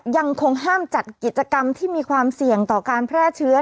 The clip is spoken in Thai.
ยังคงห้ามจัดกิจกรรมที่มีความเสี่ยงต่อการแพร่เชื้อ